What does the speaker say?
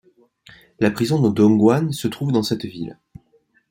La Prison de Dongguan se trouve dans cette ville.